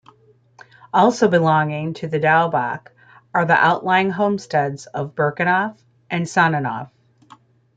Also belonging to Daubach are the outlying homesteads of Birkenhof and Sonnenhof.